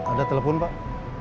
ada telepon pak